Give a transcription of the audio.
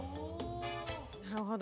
なるほど。